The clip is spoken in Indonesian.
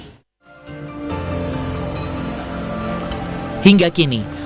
hingga kini proses identifikasi tersebut